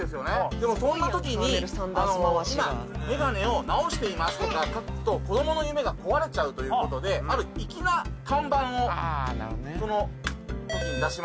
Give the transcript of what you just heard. でもそんな時に「今メガネを直しています」とか書くと子どもの夢が壊れちゃうという事である粋な看板をその時に出しました。